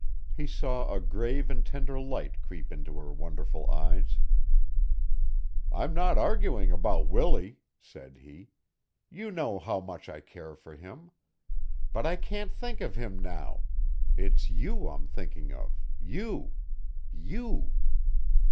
He saw a grave and tender light creep into her wonderful eyes. "I'm not arguing about Willie," said he. "You know how much I care for him. But I can't think of him now. It's you I'm thinking of you you."